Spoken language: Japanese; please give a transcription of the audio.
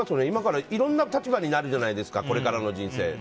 今からいろんな立場になるじゃないですかこれからの人生。